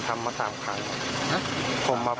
ผมเอาคุณทำมา๓ครั้ง